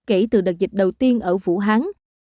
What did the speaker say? kể từ đợt dịch đầu tiên ở vũ hán